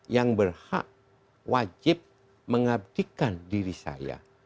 yang berhak wajib mengabdikan diri saya